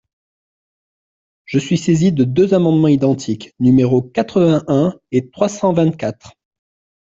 Je suis saisie de deux amendements identiques, numéros quatre-vingt-un et trois cent vingt-quatre.